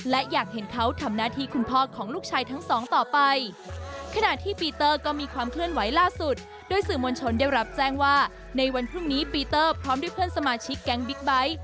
และสื่อมวลชนได้รับแจ้งว่าในวันพรุ่งนี้ปีเตอร์พร้อมด้วยเพื่อนสมาชิกแก๊งบิ๊กไบท์